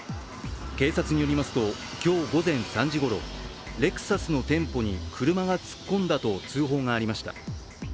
警察によりますと、今日午前３時ごろレクサスの店舗に車が突っ込んだと通報がありました。